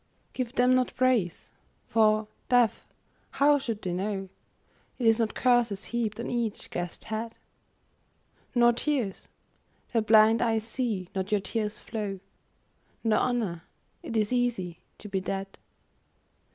Give them not praise. For, deaf, how should they know It is not curses heaped on each gashed head ? Nor tears. Their blind eyes see not your tears flow. Nor honour. It is easy to be dead.